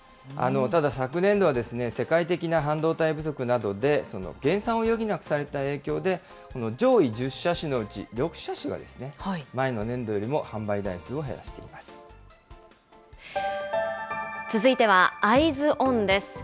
ただ、昨年度は世界的な半導体不足などで、減産を余儀なくされた影響で、上位１０車種のうち６車種が前の年度よりも販売台数を減続いては、Ｅｙｅｓｏｎです。